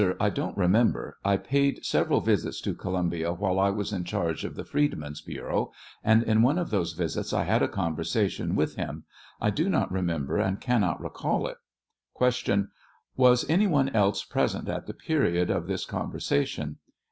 I don't remember ; I paid several visits to Colum bia while I was in charge of the Freedmen's Bureau, and in one of those visits I had a conversation with him ; I do not remember and cannot recall it. Q. Was any one else present at the period of this conversation